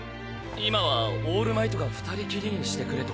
今はオールマイトが二人きりにしてくれと。